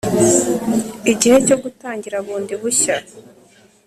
igihe cyo gutangira bundi bushya